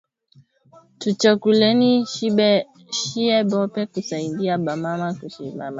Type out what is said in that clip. Tuchakuleni shiye bote ku saidia ba mama ku mashamba